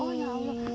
oh ya allah